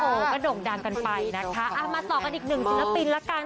โอ้โหก็โด่งดังกันไปนะคะมาต่อกันอีกหนึ่งศิลปินละกัน